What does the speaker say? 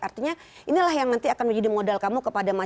artinya inilah yang nanti akan menjadi modal kamu kepada masyarakat